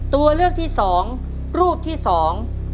ตัวเลือกที่สองรูปที่สอง